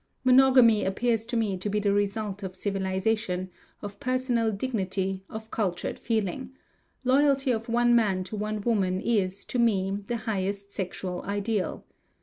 Monogamy appears to me to be the result of civilization, of personal dignity, of cultured feeling; loyalty of one man to one woman is, to me, the highest sexual ideal.